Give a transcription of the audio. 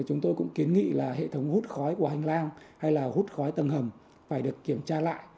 chúng tôi cũng kiến nghị là hệ thống hút khói của hành lang hay là hút khói tầng hầm phải được kiểm tra lại